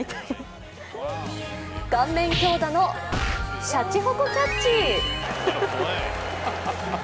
顔面強打のしゃちほこキャッチ。